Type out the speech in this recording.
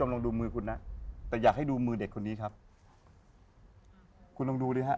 ลองกากลับคุณแม่